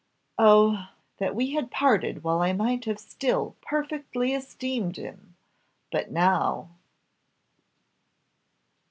"Oh! that we had parted while I might have still perfectly esteemed him; but now